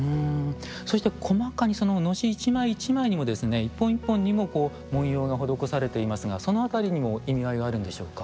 そして細かにその熨斗一枚一枚にも一本一本にも文様が施されていますがそのあたりにも意味合いがあるんでしょうか。